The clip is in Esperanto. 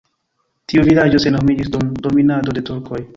Tiu vilaĝo senhomiĝis dum dominado de turkoj.